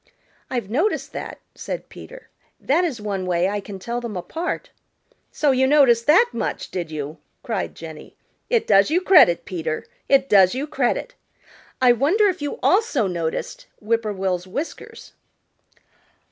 "I've noticed that," said Peter. "That is one way I can tell them apart." "So you noticed that much, did you?" cried Jenny. "It does you credit, Peter. It does you credit. I wonder if you also noticed Whip poor will's whiskers."